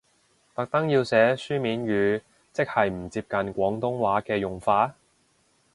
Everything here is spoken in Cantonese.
特登要寫書面語，即係唔接近廣東話嘅用法？